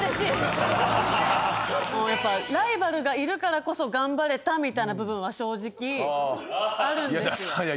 やっぱライバルがいるからこそ頑張れたみたいな部分は正直あるんですよ。